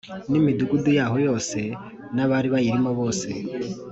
N imidugudu yaho yose n abari bayirimo bose